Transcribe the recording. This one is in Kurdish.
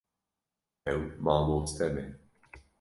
Ew mamoste be.